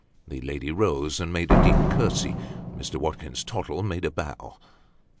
The lady rose, and made a deep curtsey ; Mr. Watkins Tottle made a bow.